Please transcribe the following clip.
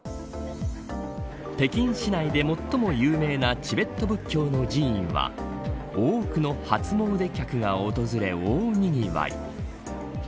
北京市内で最も有名なチベット仏教の寺院は多くの初詣客が訪れ大にぎわい。